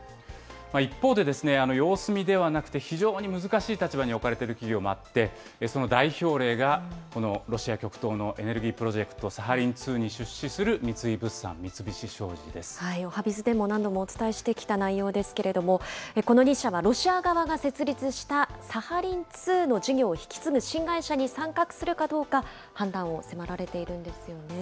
一方で、様子見ではなくて、非常に難しい立場に置かれている企業もあって、その代表例が、このロシア極東のエネルギープロジェクト、サハリン２に出資するおはＢｉｚでも何度もお伝えしてきた内容ですけれども、この２社はロシア側が設立したサハリン２の事業を引き継ぐ新会社に参画するかどうか、判断を迫られているんですよね。